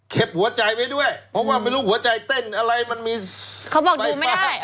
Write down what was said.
เก็บหัวใจไว้ด้วยเพราะว่าไม่รู้หัวใจเต้นอะไรมันมีไฟฟ้า